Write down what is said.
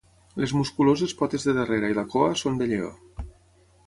Les musculoses potes de darrere i la cua són de lleó.